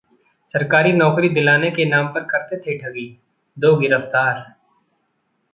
सरकारी नौकरी दिलाने के नाम पर करते थे ठगी, दो गिरफ्तार